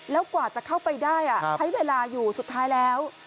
แล้วกว่าจะเข้าไปได้ใช้เวลาอยู่สุดท้ายแล้ว